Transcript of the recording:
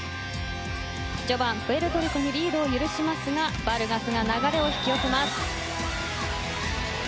序盤、プエルトリコにリードを許しますがバルガスが流れを引き寄せます。